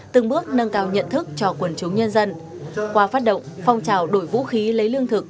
từng bước nâng cao nhận thức cho quần chúng nhân dân qua phát động phong trào đổi vũ khí lấy lương thực